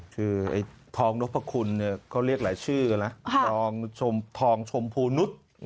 คือทองนกพระคุณเขาเรียกหลายชื่อทองชมพูนุษย์